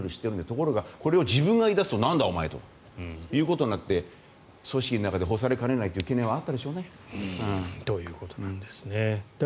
ところがこれを自分が言い出すとなんだお前ということになって組織の中で干されかねないという懸念はあったでしょうね。